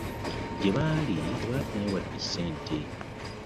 Gye baali tebaafunayo wadde ssente.